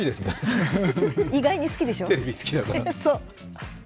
意外に好きでしょう。